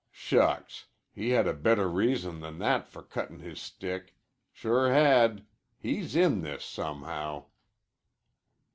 "Shucks! He had a better reason than that for cuttin' his stick. Sure had. He's in this somehow."